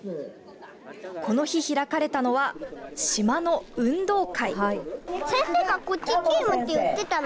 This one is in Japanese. この日、開かれたのは島の運動会。